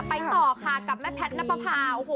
ไปต่อค่ะกับแม่แพทย์นับประพาว